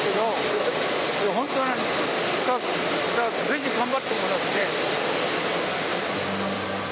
ぜひ頑張ってもらって。